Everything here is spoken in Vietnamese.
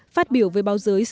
phát biểu về báo giới